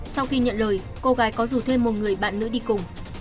sau khi nhận lời cô gái có rủ thêm một người bạn nữ đi cùng